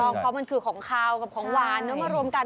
เพราะมันคือของขาวกับของหวานมารวมกัน